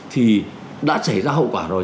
thì đã xảy ra hậu quả rồi